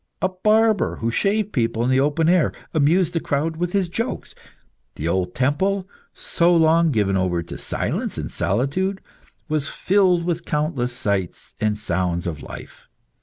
A barber, who shaved people in the open air, amused the crowd with his jokes. The old temple, so long given over to silence and solitude was filled with countless sights and sounds of life.